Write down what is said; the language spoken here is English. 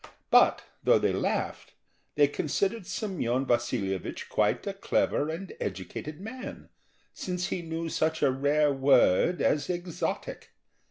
But, though they laughed, they considered Semyon Vasilyevich quite a clever and educated man, since he knew such a rare word as "exotic."